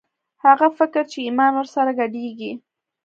هغه فکر چې ایمان ور سره ګډېږي